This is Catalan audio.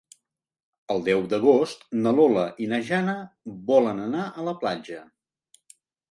El deu d'agost na Lola i na Jana volen anar a la platja.